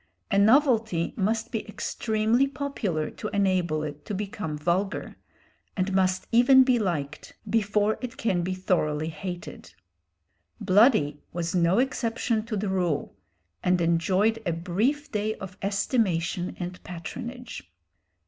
A novelty must be extremely popular to enable it to become vulgar, and must even be liked before it can be thoroughly hated. "Bloody" was no exception to the rule, and enjoyed a brief day of estimation and patronage.